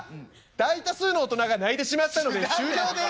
大多数の大人が泣いてしまったので終了です」。